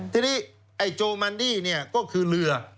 ทีนี้ไอโจมันดี้ก็คือเหลือ